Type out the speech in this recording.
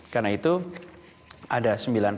karena itu ada sembilan ratus tiga puluh dua